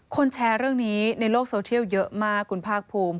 แชร์เรื่องนี้ในโลกโซเทียลเยอะมากคุณภาคภูมิ